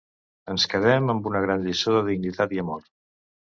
Ens quedem amb una gran lliçó de dignitat i amor.